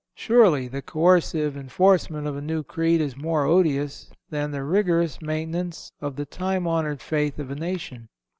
Surely, the coercive enforcement of a new creed is more odious than the rigorous maintenance of the time honored faith of a nation.